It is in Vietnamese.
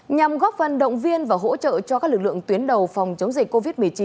nhằm góp phần động viên và hỗ trợ cho các lực lượng tuyến đầu phòng chống dịch covid một mươi chín